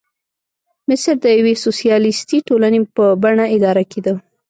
مصر د یوې سوسیالیستي ټولنې په بڼه اداره کېده.